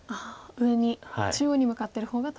上に中央に向かってる方が。